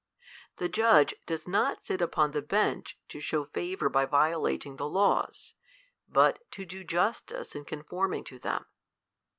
The judge does not sit upon the bench to show favour by violating the laws ; but to do justice in conforming to them.